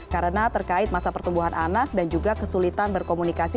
karena terkait masa pertumbuhan anak dan juga kesulitan berkomunikasi